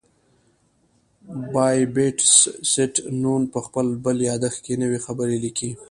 بابټیست نون په خپل بل یادښت کې نوی خبر لیکي.